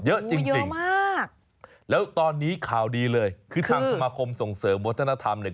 เยอะจริงจริงมากแล้วตอนนี้ข่าวดีเลยคือทางสมาคมส่งเสริมวัฒนธรรมเนี่ย